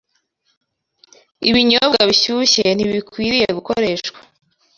Ibinyobwa bishyushye ntibikwiriye gukoreshwa